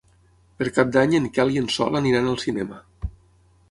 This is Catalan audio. Per Cap d'Any en Quel i en Sol aniran al cinema.